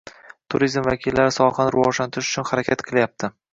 Turizm vakillari sohani rivojlantirish uchun harakat qilyapti.